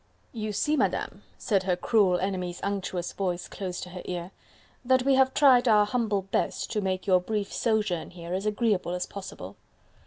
"You see, Madame," said her cruel enemy's unctuous voice close to her ear, "that we have tried our humble best to make your brief sojourn here as agreeable as possible.